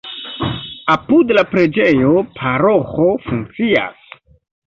Apud la preĝejo paroĥo funkcias.